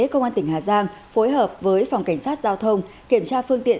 công an tỉnh hà giang phối hợp với phòng cảnh sát giao thông kiểm tra phương tiện